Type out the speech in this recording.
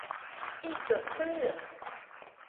一者生忍。